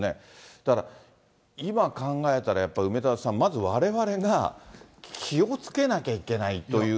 だから、今考えたら、やっぱり梅沢さん、まずわれわれが気をつけなきゃいけないという。